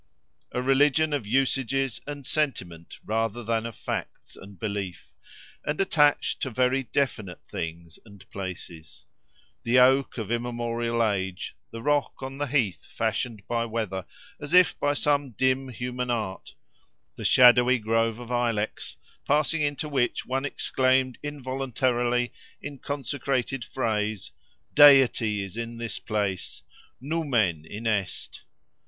A religion of usages and sentiment rather than of facts and belief, and attached to very definite things and places—the oak of immemorial age, the rock on the heath fashioned by weather as if by some dim human art, the shadowy grove of ilex, passing into which one exclaimed involuntarily, in consecrated phrase, Deity is in this Place! Numen Inest!